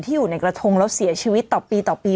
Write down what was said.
อยู่ในกระทงแล้วเสียชีวิตต่อปีต่อปี